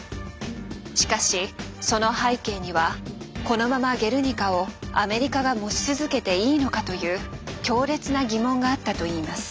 しかしその背景にはこのまま「ゲルニカ」をアメリカが持ち続けていいのかという強烈な疑問があったといいます。